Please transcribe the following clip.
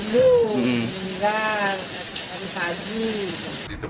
dia mau mandi mau masuk